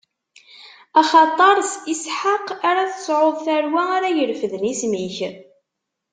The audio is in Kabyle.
Axaṭer, s Isḥaq ara tesɛuḍ tarwa ara irefden isem-ik.